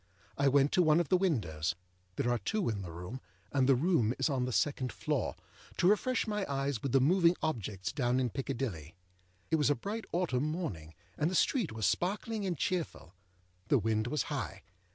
I went to one of the windows (there are two in the room, and the room is on the second floor) to refresh my eyes with the moving objects down in Piccadilly. It was a bright autumn morning, and the street was sparkling and cheerful. The wind was high.